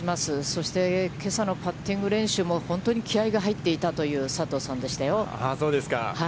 そして、けさのパッティング練習も気合いが入っていたという佐藤さんでしたよ。